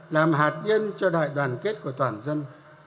làm hạt nhân cho đại đoàn kết của toàn dân